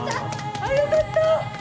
ああよかった！